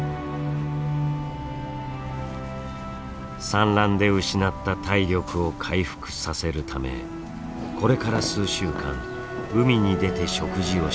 産卵で失った体力を回復させるためこれから数週間海に出て食事をします。